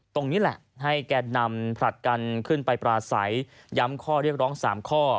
ตรงนี้แหละให้แกนนำผลัดกันขึ้นไปปราศัยย้ำข้อเรียกร้อง๓ข้อ